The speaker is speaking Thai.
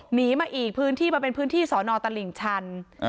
หนีมาอีกพื้นที่มันเป็นพื้นที่สอนอตลิ่งชัน